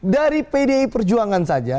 dari pdi perjuangan saja